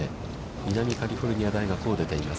南カリフォルニア大学を出ています。